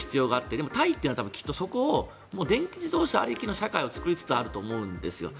でもタイはきっとそこをもう電気自動車ありきの社会を作りつつあると思うんですよ。